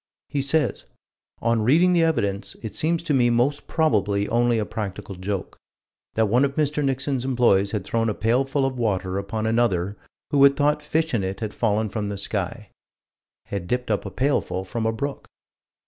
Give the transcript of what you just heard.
He says: "On reading the evidence, it seems to me most probably only a practical joke: that one of Mr. Nixon's employees had thrown a pailful of water upon another, who had thought fish in it had fallen from the sky" had dipped up a pailful from a brook.